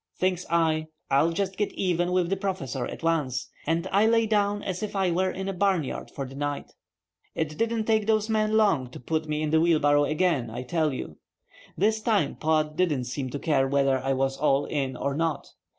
Thinks I, I'll just get even with the Professor at once, and I lay down as if I were in a barnyard for the night. It didn't take those men long to put me in the wheelbarrow again, I tell you. This time Pod didn't seem to care whether I was all in or not.